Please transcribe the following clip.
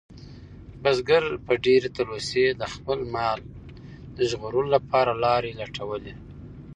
بزګر په ډېرې تلوسې د خپل مال د ژغورلو لپاره لارې لټولې.